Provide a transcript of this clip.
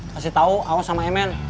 kasih tau aos sama emen